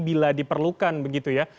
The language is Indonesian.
bila diperlukan begitu ya